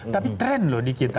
tapi tren loh di kita